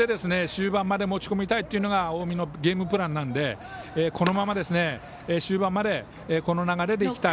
接戦で終盤まで持ち込みたいのが近江のゲームプランなのでこのまま終盤までこの流れでいきたい。